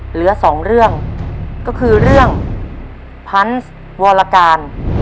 เหลือสองเรื่องก็คือเรื่องพันธ์วรการ